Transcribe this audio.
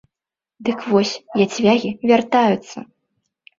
Дык вось, яцвягі вяртаюцца!